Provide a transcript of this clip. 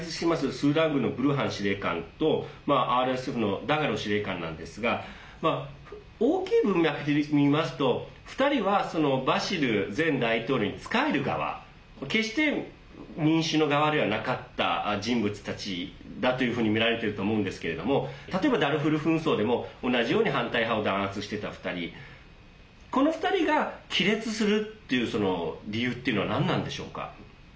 スーダン軍のブルハン司令官とＲＳＦのダガロ司令官なんですが大きい文脈でみますと、２人はそのバシール前大統領に仕える側決して民衆の側ではなかった人物たちだというふうにみられていると思うんですけども例えば、ダルフール紛争でも同じように反対派を弾圧してた２人この２人が亀裂するという理由というのは何なんでしょうか。